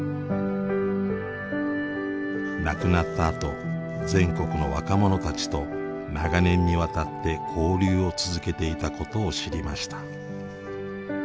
亡くなったあと全国の若者たちと長年にわたって交流を続けていたことを知りました。